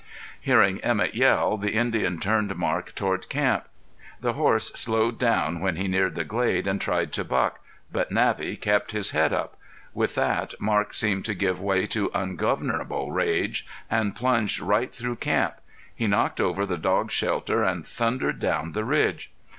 Hearing Emett yell, the Indian turned Marc toward camp. The horse slowed down when he neared the glade and tried to buck. But Navvy kept his head up. With that Marc seemed to give way to ungovernable rage and plunged right through camp; he knocked over the dogs' shelter and thundered down the ridge.